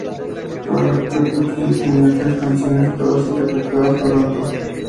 La competición tenía tres canciones, todas interpretadas por Aalto.